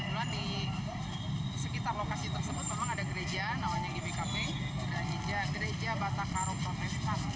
kebetulan di sekitar lokasi tersebut memang ada gereja namanya ipkb gereja batakaro profesional